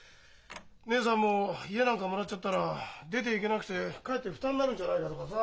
義姉さんも家なんかもらっちゃったら出ていけなくてかえって負担になるんじゃないかとかさ。